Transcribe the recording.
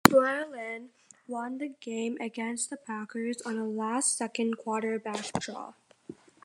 Beuerlein won the game against the Packers on a last-second quarterback draw.